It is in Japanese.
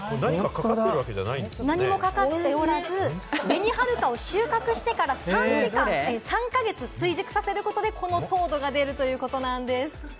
何もかかっておらず、紅はるかを収穫してから３か月、追熟させることで、この糖度が出るということなんです。